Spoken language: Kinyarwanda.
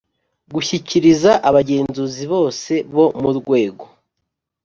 gushyikiriza abagenzuzi bose bo mu rwego